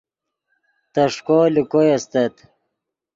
تݰکو لے کوئے استت